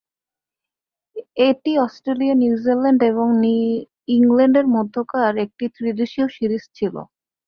এটি Australia, New Zealand এবং ইংল্যান্ডের মধ্যকার একটি ত্রিদেশীয় সিরিজ ছিল।